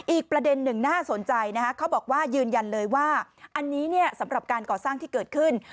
อีกประเด็นหนึ่งน่าสนใจนะคะเขาบอกว่ายืนยันเลยว่าอันนี้สำหรับการก่อสร้างที่เกิดขึ้น